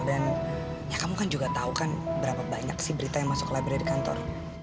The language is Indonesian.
dan ya kamu kan juga tau kan berapa banyak sih berita yang masuk ke labirin di kantor